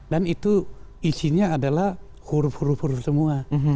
dan itu isinya adalah huruf huruf huruf semua